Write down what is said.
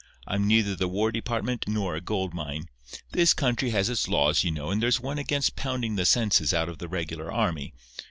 I'm neither the War Department nor a gold mine. This country has its laws, you know, and there's one against pounding the senses out of the regular army.